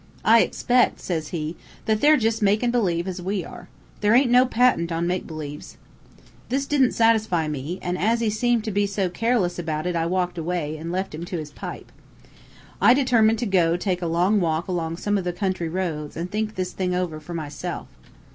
"'I expec',' says he, 'that they're jus' makin' believe as we are. There aint no patent on make believes.' "This didn't satisfy me, an' as he seemed to be so careless about it I walked away, an' left him to his pipe. I determined to go take a walk along some of the country roads an' think this thing over for myself.